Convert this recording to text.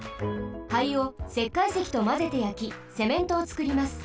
灰をせっかいせきとまぜてやきセメントをつくります。